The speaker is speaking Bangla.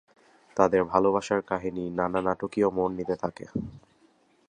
তাদের ভালবাসার কাহিনী নানা নাটকীয় মোড় নিতে থাকে।